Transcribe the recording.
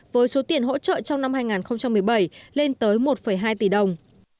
với số tiền hỗ trợ trong năm hai nghìn một mươi bảy lên tới một hai tỷ đồng